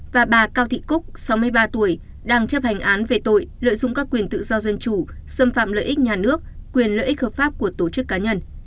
và bà cao thị cúc sáu mươi ba tuổi đang chấp hành án về tội lợi dụng các quyền tự do dân chủ xâm phạm lợi ích nhà nước quyền lợi ích hợp pháp của tổ chức cá nhân